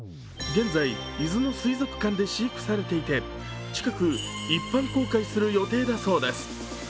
現在、伊豆の水族館で飼育されていて近く一般公開する予定だそうです。